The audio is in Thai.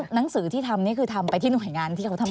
หนังสือที่ทำนี่คือทำไปที่หน่วยงานที่เขาทำ